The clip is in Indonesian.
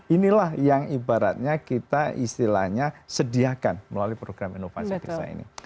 inilah yang ibaratnya kita istilahnya sediakan melalui program inovasi desa ini